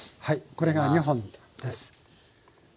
これが２本です。